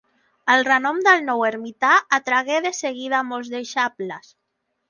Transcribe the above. El renom del nou ermità atragué de seguida molts deixebles.